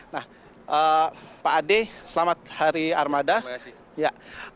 nah pak ade selamat hari armada